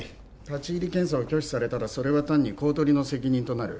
立入検査を拒否されたらそれは単に公取の責任となる。